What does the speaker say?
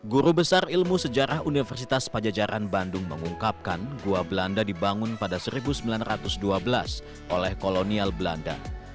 guru besar ilmu sejarah universitas pajajaran bandung mengungkapkan gua belanda dibangun pada seribu sembilan ratus dua belas oleh kolonial belanda